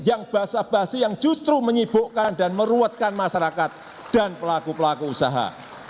yang basah basi yang justru menyibukkan dan meruetkan masyarakat dan pelaku pelaku usaha